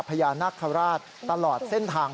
พญานาคาราชตลอดเส้นทาง